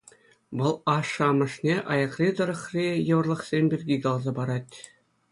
Вӑл ашшӗ-амӑшне аякри тӑрӑхри йывӑрлӑхсем пирки каласа парать.